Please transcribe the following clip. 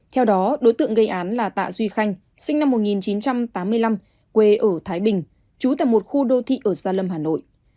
theo đó đối tượng gây án là tạ duy khanh sinh năm một nghìn chín trăm tám mươi năm quê ở thái bình trú tại một khu đô thị ở gia lâm hà nội